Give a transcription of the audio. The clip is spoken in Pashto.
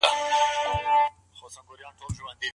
که عدالت نسو کولای نو څه به کو؟